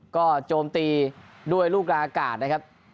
ก็โจมตีด้วยลูกกลางอากาศนะครับ